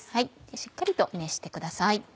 しっかりと熱してください。